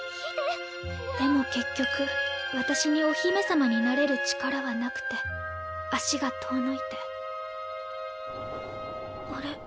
でも結局私にお姫様になれる力はなくて足が遠のいてあれ？